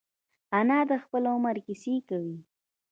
انا د خپل عمر کیسې کوي